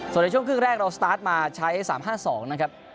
ส่วนในช่วงครึ่งแรกเราสตาร์ทมาใช้๓๕๒นะครับ